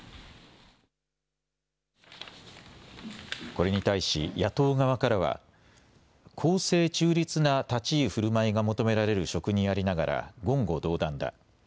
これに対し野党側からは公正中立な立ち居振る舞いが求められる職にありながら言語道断だ。